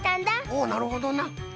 おなるほどな。